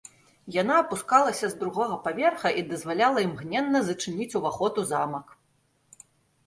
Яна апускалася з другога паверха і дазваляла імгненна зачыніць уваход у замак.